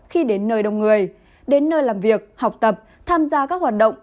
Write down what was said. khi đến nơi đông người đến nơi làm việc học tập tham gia các hoạt động